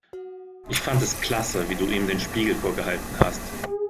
Ich fand es klasse, wie du ihm den Spiegel vorgehalten hast.